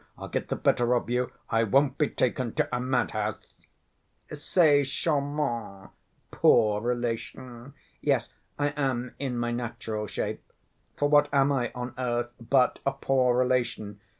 I'll get the better of you. I won't be taken to a mad‐house!" "C'est charmant, poor relation. Yes, I am in my natural shape. For what am I on earth but a poor relation?